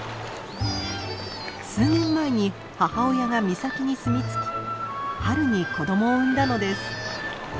数年前に母親が岬にすみ着き春に子供を産んだのです。